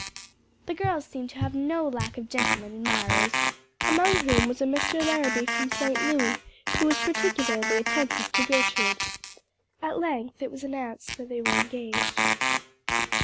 The girls seemed to have no lack of gentlemen admirers; among whom was a Mr. Larrabee from St. Louis, who was particularly attentive to Gertrude. At length it was announced that they were engaged.